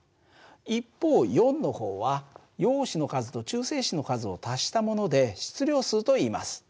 一方４の方は陽子の数と中性子の数を足したもので質量数といいます。